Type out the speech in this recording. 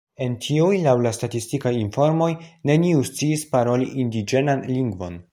El tiuj laŭ la statistikaj informoj neniu sciis paroli indiĝenan lingvon.